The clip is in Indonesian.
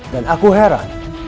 dan aku heran